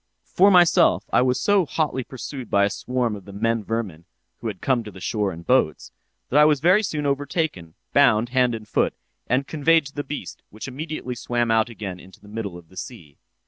"'For myself, I was so hotly pursued by a swarm of the men vermin (who had come to the shore in boats) that I was very soon overtaken, bound hand and foot, and conveyed to the beast, which immediately swam out again into the middle of the sea.